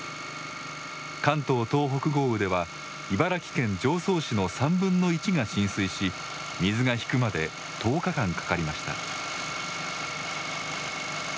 関東・東北豪雨では茨城県常総市の３分の１が浸水し水が引くまで１０日間かかりました。